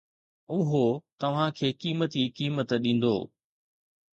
اهو توهان کي قيمتي قيمت ڏيندو